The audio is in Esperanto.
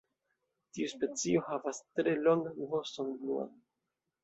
Tiu specio havas tre longan voston bluan.